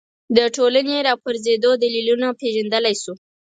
د ټولنې راپرځېدو دلیلونه پېژندلی شو